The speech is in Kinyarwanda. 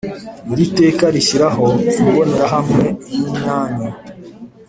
Iri teka rishyiraho imbonerahamwe y imyanya